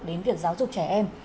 đến việc giáo dục trẻ em